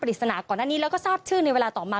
ฤษณาก่อนหน้านี้แล้วก็ทราบชื่อในเวลาต่อมา